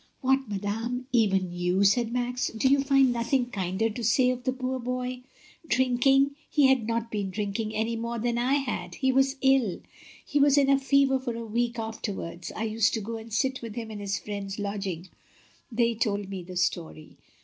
"What, madame, even you," said Max, "do you find nothing kinder to say of the poor boy ? Drink ing ! He had not been drinking any more than I had — he was ill, he was in a fever for a week after wards. I used to go and sit with him in his friend's lodgings. ... They told me the story."